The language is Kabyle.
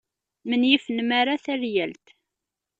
Menyif nnmara taryalt.